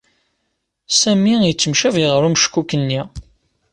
Sami yettemcabi ɣer umeckuk-nni.